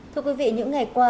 thưa quý vị những ngày qua